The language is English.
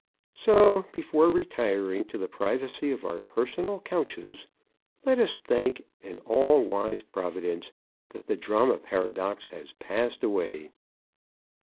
So, before retiring to the privacy of our personal couches, let us thank an all wise Providence, that the drama paradox has passed away.